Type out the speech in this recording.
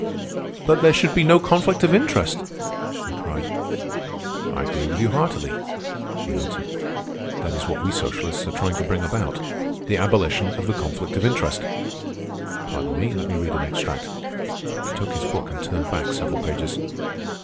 "But there should be no conflict of interest!" I cried. "I agree with you heartily," he answered. "That is what we socialists are trying to bring about,—the abolition of the conflict of interest. Pardon me. Let me read an extract." He took his book and turned back several pages.